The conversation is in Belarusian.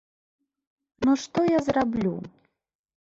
Ну што я зраблю?!